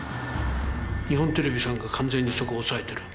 日本テレビさんが完全にそこを押さえてる。